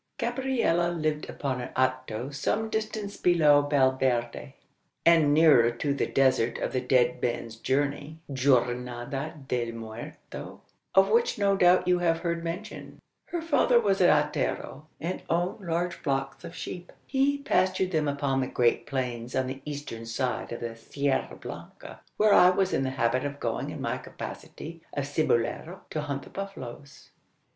Gabriella lived upon a hato some distance below Valverde, and nearer to the desert of the Dead Man's Journey (Jornada del muerto) of which no doubt you have heard mention. Her father was a hatero, and owned large flocks of sheep. He pastured them upon the great plains on the eastern side of the Sierra Blanca where I was in the habit of going in my capacity of cibolero to hunt the buffaloes.